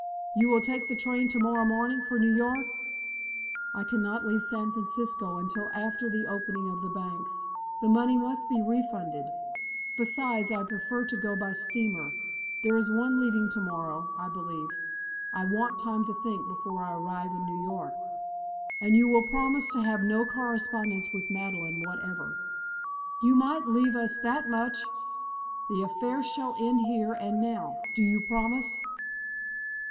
"You will take the train tomorrow morning for New York?" "I cannot leave San Francisco until after the opening of the banks. The money must be refunded. Besides, I prefer to go by steamer. There is one leaving tomorrow, I believe. I want time to think before I arrive in New York." "And you will promise to have no correspondence with Madeleine whatever?" "You might leave us that much!" "The affair shall end here and now. Do you promise?"